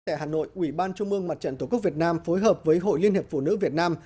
tại hà nội ủy ban trung mương mặt trận tổ quốc việt nam phối hợp với hội liên hiệp phụ nữ việt nam